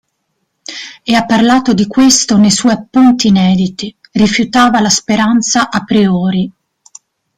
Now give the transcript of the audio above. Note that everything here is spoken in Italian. E ha parlato di questo nei suoi appunti inediti: "rifiutava la speranza a priori".